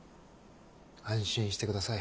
安心してください。